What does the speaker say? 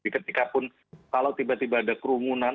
ketika pun kalau tiba tiba ada kerumunan